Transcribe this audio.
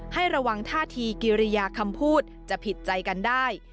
ให้ระวังท่าทีกิริยาคำพูดจะผิดใจกันได้